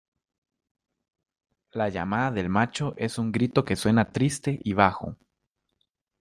La llamada del macho es un grito que suena triste y bajo.